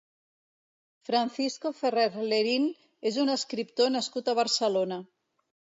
Francisco Ferrer Lerín és un escriptor nascut a Barcelona.